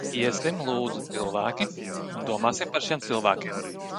Iesim, lūdzu, cilvēki, un domāsim par šiem cilvēkiem!